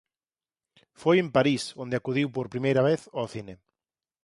Foi en París onde acudiu por primeira vez ó cine.